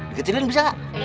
deketirin bisa nggak